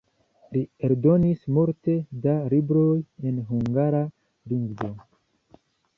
Li eldonis multe da libroj en hungara lingvo.